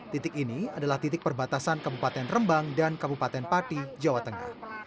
titik ini adalah titik perbatasan kabupaten rembang dan kabupaten pati jawa tengah